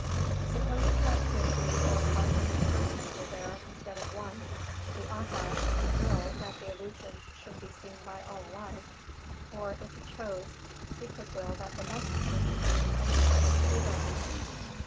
Supposing that fifty or five hundred persons were there, instead of one, the Arhat could will that the illusion should be seen by all alike; or, if he chose, he could will that the messenger should be the only one to see them.